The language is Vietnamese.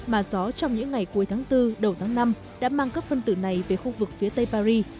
mà gió trong những ngày cuối tháng bốn đầu tháng năm đã mang các phân tử này về khu vực phía tây paris